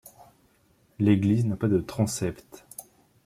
L'église n'a pas de transept.